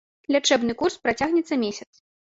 Лячэбны курс працягнецца месяц.